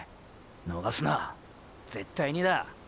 逃すな絶対にだ。